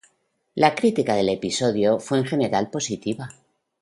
La crítica del episodio fue en general positiva.